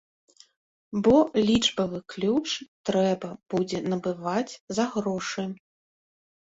Бо лічбавы ключ трэба будзе набываць за грошы.